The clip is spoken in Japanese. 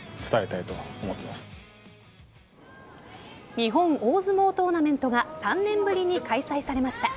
日本大相撲トーナメントが３年ぶりに開催されました。